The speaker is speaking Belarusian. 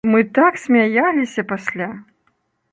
Мы так смяяліся пасля!